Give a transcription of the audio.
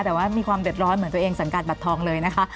แต่ว่ามีความเดือดร้อนเหมือนตัวเองสังกัดบัตรทองเลยนะคะ